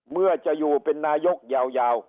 เมื่อจะอยู่เป็นนายกยาว